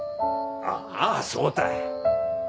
ああそうたい。